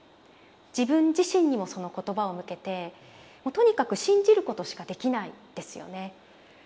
自分自身にもその言葉を向けてもうとにかく信じることしかできないんですよね。